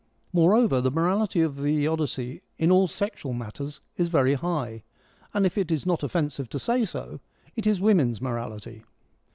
Moreover, the morality of the Odyssey in all sexual matters is very high, and, if it is not offensive fo say so, it is women's morality.